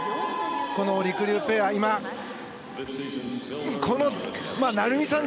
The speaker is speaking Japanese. りくりゅうペア成美さん